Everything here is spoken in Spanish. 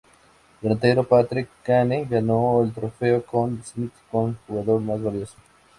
El delantero Patrick Kane ganó el trofeo Conn Smythe como jugador más valioso.